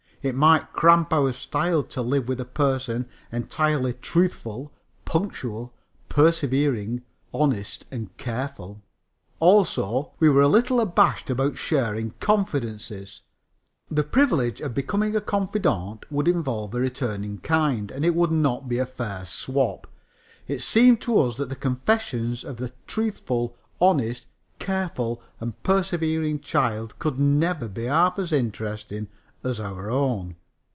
It might cramp our style to live with a person entirely truthful, punctual, persevering, honest and careful. Also, we were a little abashed about sharing confidences. The privilege of becoming a confidant would involve a return in kind, and it would not be a fair swap. It seemed to us that the confessions of the truthful, honest, careful and persevering child could never be half so interesting as our own.